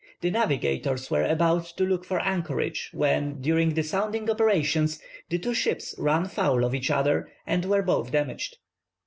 The navigators were about to look for anchorage, when, during the sounding operations, the two ships ran foul of each other and were both damaged.